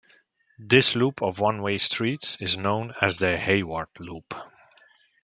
This loop of one-way streets is known as the "Hayward Loop".